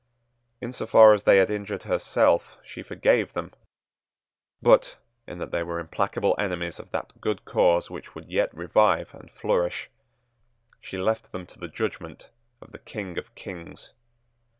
In so far as they had injured herself, she forgave them: but, in that they were implacable enemies of that good cause which would yet revive and flourish, she left them to the judgment of the King of Kings.